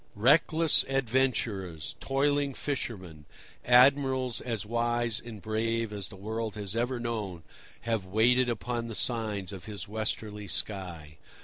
Reckless adventurers, toiling fishermen, admirals as wise and brave as the world has ever known, have waited upon the signs of his westerly sky.